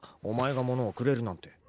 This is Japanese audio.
お前が物をくれるなんて。